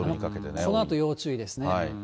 このあと要注意ですね。